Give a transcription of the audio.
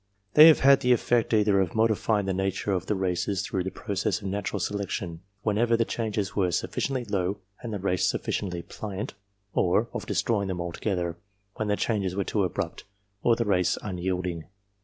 They have had the effect either of modifying the nature of the races through the process of natural selection when ever the changes were sufficiently slow and the race suffi ciently pliant, or of destroying them altogether when the changes were too abrupt or the race unyielding.